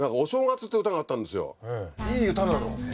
いい歌なの。